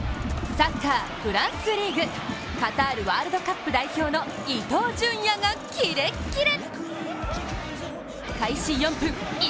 サッカー、フランスリーグ、カタールワールドカップ代表の伊東純也がキレッキレ。